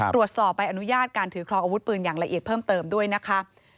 ตรวจสอบใบอนุญาตการถือครองอาวุธปืนอย่างละเอียดเพิ่มเติมด้วยนะคะ